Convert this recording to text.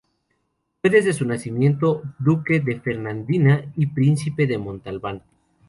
Fue desde su nacimiento duque de Fernandina y príncipe de Montalbán.